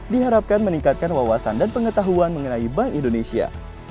diharapkan meningkatkan wawasan dan pengetahuan mengenai bank indonesia